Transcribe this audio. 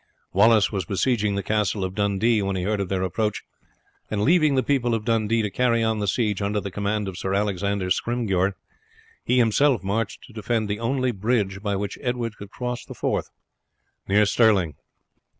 Wallace was besieging the castle of Dundee when he heard of their approach, and leaving the people of Dundee to carry on the siege under the command of Sir Alexander Scrymgeour, he himself marched to defend the only bridge by which Edward could cross the Forth, near Stirling.